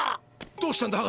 どうしたんだ？